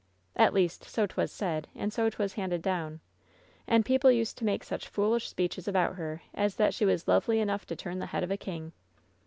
At least so 'twas said, and so 'twas handed down. And people used to make such foolish speeches about her as that she was lovely enough to turn the head of a king.